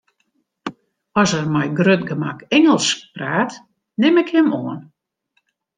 As er mei grut gemak Ingelsk praat, nim ik him oan.